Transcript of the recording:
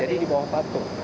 jadi di bawah patung